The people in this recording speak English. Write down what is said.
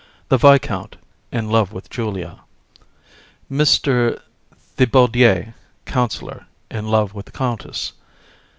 THE VISCOUNT, in love with JULIA. MR. THIBAUDIER, councillor, in love with the COUNTESS.